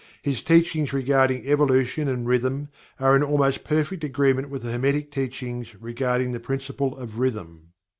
His teachings regarding Evolution and Rhythm are in almost perfect agreement with the Hermetic Teachings regarding the Principle of Rhythm.